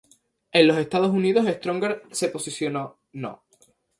En los Estados Unidos "Stronger" se posicionó No.